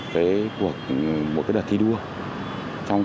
một đợt thi đua trong toàn thể cán bộ chiến sĩ công an